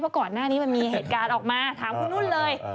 เพราะก่อนหน้านี้มันมีเหตุการณ์ออกมาถามคุณนุ่นเลย